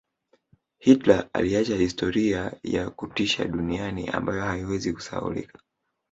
Hitler aliacha historia ya kutisha duniani ambayo haiwezi kusahaulika